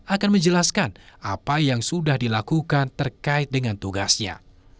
akan menjelaskan apa yang sudah dilakukan terkait dengan tugasnya